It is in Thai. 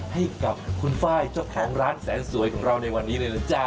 ให้กับคุณไฟล์เจ้าของร้านแสนสวยของเราในวันนี้เลยนะจ๊ะ